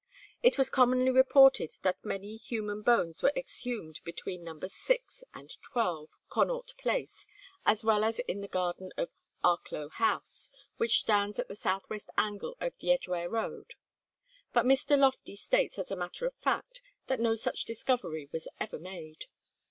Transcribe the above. It was commonly reported that many human bones were exhumed between Nos. 6 and 12, Connaught Place, as well as in the garden of Arklow House, which stands at the southwest angle of the Edgeware Road. But Mr. Loftie states as a matter of fact that no such discovery was ever made.